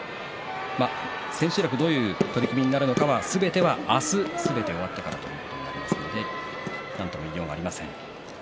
千秋楽どういう取組になるかはすべては明日すべて終わってからということになりますのでなんとも言いようがありません。